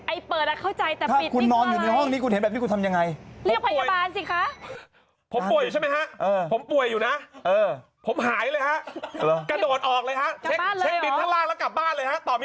ไอ้เปิดอ่ะเข้าใจแต่ปิดนี่ก็อะไร